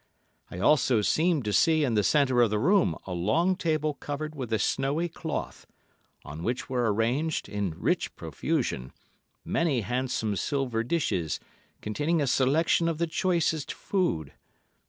I also seemed to see in the centre of the room a long table covered with a snowy cloth, on which were arranged, in rich profusion, many handsome silver dishes containing a selection of the choicest food.